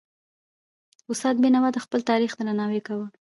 استاد بينوا د خپل تاریخ درناوی کاوه.